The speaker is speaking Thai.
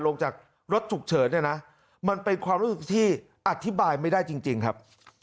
ลงจากรถฉุกเฉินเนี่ยนะมันเป็นความรู้สึกที่อธิบายไม่ได้จริงครับ